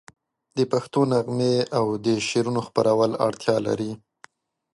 د پښتو نغمې او د شعرونو خپرول اړتیا لري.